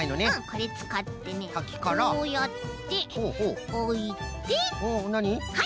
これつかってねこうやっておいてはい！